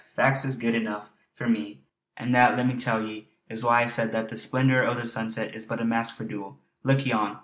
Fac's is good eneuch for me; an' that, let me tell ye, is why I said that the splendour o' the sunset is but a mask for dool. Look yon!